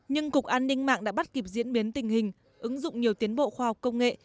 nhưng cục an ninh mạng đã bắt kịp diễn biến tình hình ứng dụng nhiều tiến bộ khoa học công nghệ